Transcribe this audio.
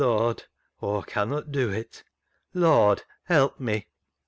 Lord ; Aw connot do it. Lord, help me."